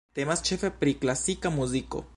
Temas ĉefe pri klasika muziko.